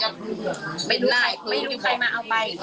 ไม่รู้ใครมาเอาไป